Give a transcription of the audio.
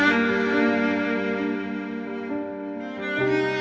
kenapa andin udah tidur sih